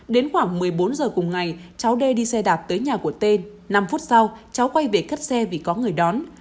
đến khoảng một mươi bốn giờ cùng ngày cháu đi xe đạp tới nhà của tên năm phút sau cháu quay về cất xe vì có người đón